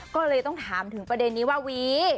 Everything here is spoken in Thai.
ก็เลยต้องถามถึงประเด็นนี้ว่าวี